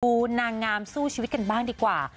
นางงามสู้ชีวิตกันบ้างดีกว่า